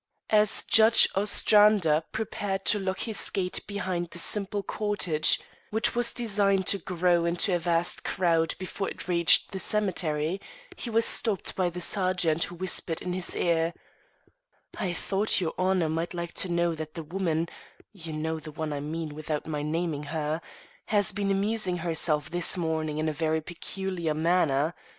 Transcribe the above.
As Judge Ostrander prepared to lock his gate behind the simple cortege which was destined to grow into a vast crowd before it reached the cemetery, he was stopped by the sergeant who whispered in his ear: "I thought your honour might like to know that the woman you know the one I mean without my naming her has been amusing herself this morning in a very peculiar manner.